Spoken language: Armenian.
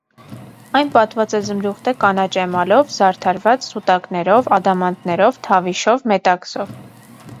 Այն պատված է զմրուխտե կանաչ էմալով՝ զարդարված սուտակներով, ադամանդներով, թավիշով, մետաքսով։